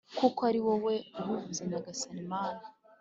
kuko ari wowe ubivuze Nyagasani Mana